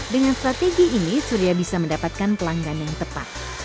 dengan strategi ini surya bisa mendapatkan pelanggan yang tepat